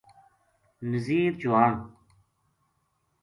نزیر چوہان